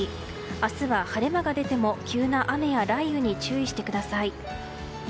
明日は晴れ間が出ても急な雨や雷雨に注意してください。